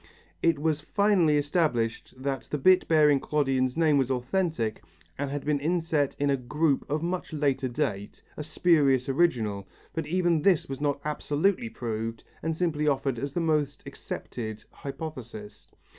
It was finally established that the bit bearing Clodion's name was authentic and had been inset in a group of much later date, a spurious original, but even this was not absolutely proved and simply offered as the most acceptable hypothesis.